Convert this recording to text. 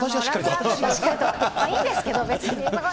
いいんですけど、別に。